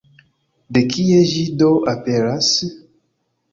De kie ĝi do aperas?